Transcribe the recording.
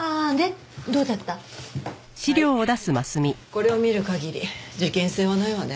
これを見る限り事件性はないわね。